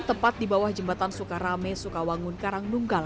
tepat di bawah jembatan sukarame sukawangun karangnunggal